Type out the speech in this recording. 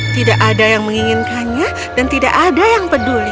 tidak ada yang menginginkannya dan tidak ada yang peduli